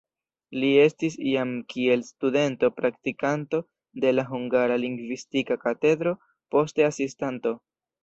Li estis jam kiel studento praktikanto de la Hungara Lingvistika Katedro, poste asistanto.